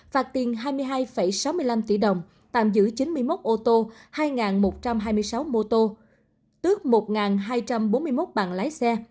phạt tiền hai mươi hai sáu mươi năm tỷ đồng tạm giữ chín mươi một ô tô hai một trăm hai mươi sáu mô tô tước một hai trăm bốn mươi một bằng lái xe